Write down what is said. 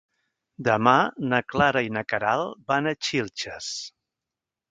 Demà na Clara i na Queralt van a Xilxes.